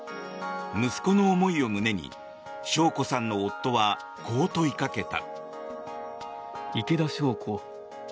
息子の思いを胸に晶子さんの夫はこう問いかけた。